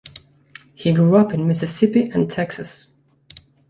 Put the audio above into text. He grew up in Mississippi and Texas.